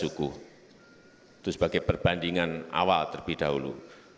tujuh ratus empat belas suku itu sebagai perbandingan awal terlebih dahulu